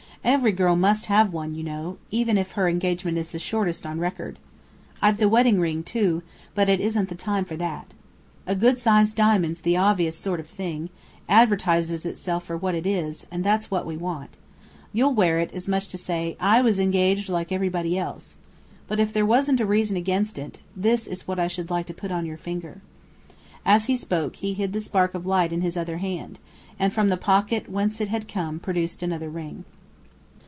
Every girl must have one, you know, even if her engagement is the shortest on record. I've the wedding ring, too. But it isn't the time for that. A good sized diamond's the obvious sort of thing: advertises itself for what it is, and that's what we want. You'll wear it, as much as to say, 'I was engaged like everybody else.' But if there wasn't a reason against it, this is what I should like to put on your finger." As he spoke, he hid the spark of light in his other hand, and from the pocket whence it had come produced another ring.